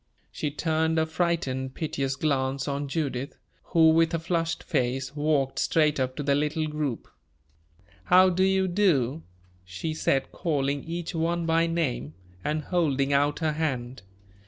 She turned a frightened, piteous glance on Judith, who, with a flushed face, walked straight up to the little group. "How do you do?" she said, calling each one by name, and holding out her hand.